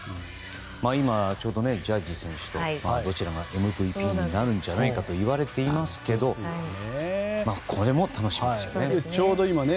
今、ちょうどジャッジ選手とどちらかがＭＶＰになるんじゃないかといわれていますがこれも楽しみですよね。